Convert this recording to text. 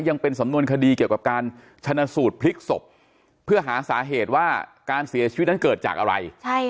ยังเป็นสำนวนคดีเกี่ยวกับการชนะสูตรพลิกศพเพื่อหาสาเหตุว่าการเสียชีวิตนั้นเกิดจากอะไร